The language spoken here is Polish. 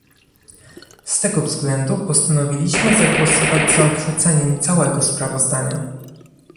Z tego względu postanowiliśmy zagłosować za odrzuceniem całego sprawozdania